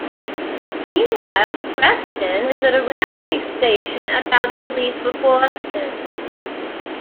Meanwhile, Preston is at a railway station, about to leave for Boston.